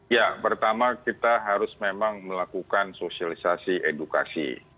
ya pertama kita harus memang melakukan sosialisasi edukasi